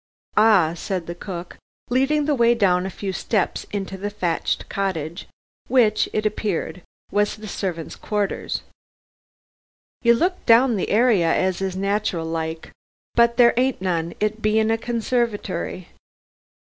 "Ah," said the cook, leading the way down a few steps into the thatched cottage, which, it appeared was the servants' quarters, "you looked down the area as is natural like. But there ain't none, it being a conservitery!"